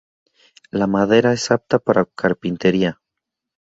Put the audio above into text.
La madera es apta para carpintería.